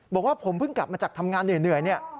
บอกว่าผมเพิ่งกลับมาจากทำงานเหนื่อยเนี่ย